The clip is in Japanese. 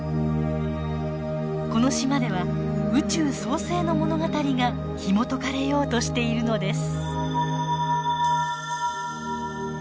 この島では宇宙創生の物語がひもとかれようとしているのです。